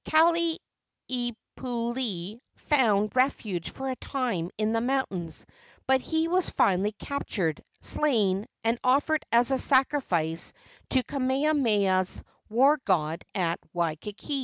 Kalanikupule found refuge for a time in the mountains, but he was finally captured, slain and offered as a sacrifice to Kamehameha's war god at Waikiki.